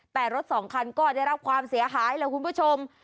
แต่รถสองคันก็ได้รับความเสียหายแล้วคุณผู้ชม